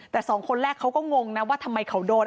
แต่สองคนแรกเขาก็งงนะว่าทำไมเขาโดน